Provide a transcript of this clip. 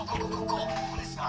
ここですか？